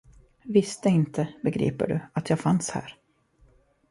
Visste inte, begriper du, att jag fanns här.